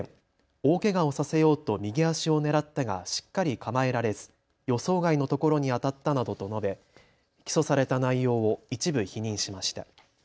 大けがをさせようと右足を狙ったがしっかり構えられず予想外のところに当たったなどと述べ起訴された内容を一部、否認しました。